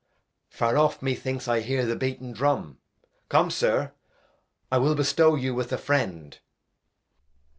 Far off methinks I hear the beaten Drum, Come, Sir, I will bestow you with a Friend.